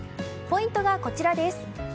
ポイントがこちらです。